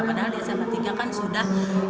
padahal di sma tiga kan sudah